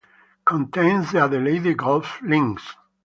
Contains the Adelaide Golf Links.